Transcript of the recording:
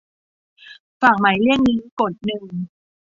ฝากหมายเลขนี้ กดหนึ่ง